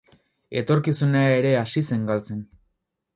Etorkizuna ere hasi zen galtzen.